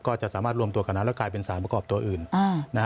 ก็จะสามารถรวมตัวกันนั้นแล้วกลายเป็นสารประกอบตัวอื่น